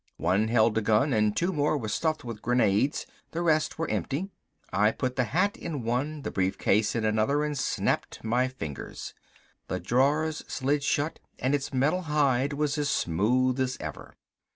One held a gun and two more were stuffed with grenades; the rest were empty. I put the hat in one, the brief case in another and snapped my fingers. The drawers slid shut and its metal hide was as smooth as ever.